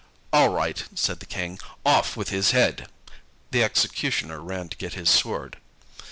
"All right," said the King, "off with his head." The executioner ran to get his sword.